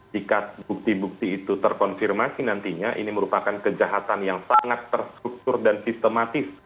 jika bukti bukti itu terkonfirmasi nantinya ini merupakan kejahatan yang sangat terstruktur dan sistematis